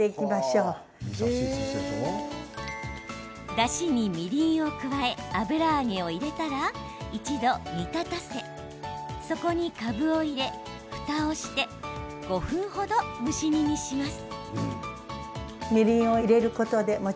だしにみりんを加え油揚げを入れたら一度煮立たせそこにかぶを入れ、ふたをして５分程蒸し煮にします。